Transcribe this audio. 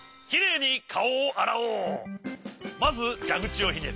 まずじゃぐちをひねる。